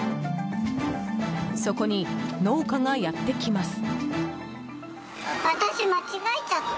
そこに、農家がやってきます。